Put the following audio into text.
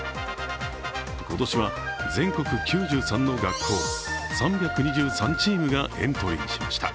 今年は全国９３の学校、３２３チームがエントリーしました。